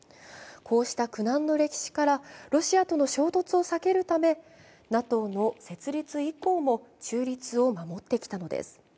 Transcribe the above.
こうした苦難の歴史からロシアとの衝突を避けるためＮＡＴＯの設立以降も中立を守ってきたのです。